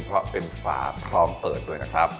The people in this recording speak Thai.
เพราะเป็นฝาพร้อมเปิดด้วยนะครับ